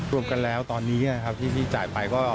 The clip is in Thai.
รวมกันแล้วตอนนี้ที่จ่ายไป